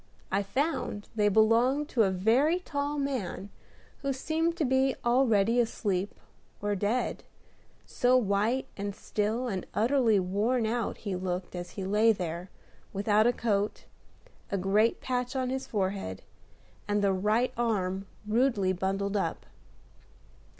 I found they belonged to a very tall man who seemed to be already asleep or dead, so white and still and utterly worn out he looked as he lay there, without a coat, a great patch on his forehead, and the right arm rudely bundled up.